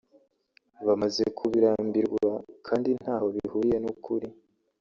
bamaze kubirambwira kandi ntaho bihuriye n’ukuri